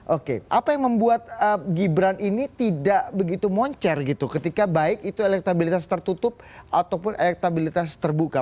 oke apa yang membuat gibran ini tidak begitu moncer gitu ketika baik itu elektabilitas tertutup ataupun elektabilitas terbuka